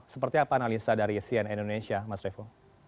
seperti apa analisa dari cnn indonesia mas revo